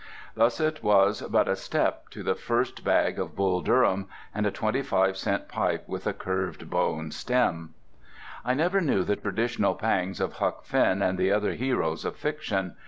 Thence it was but a step to the first bag of Bull Durham and a twenty five cent pipe with a curved bone stem. I never knew the traditional pangs of Huck Finn and the other heroes of fiction.